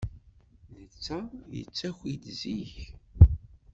Netta yettaki-d zik.